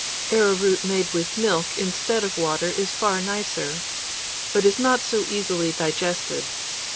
Arrowroot made with milk instead of water is far nicer, but is not so easily digested.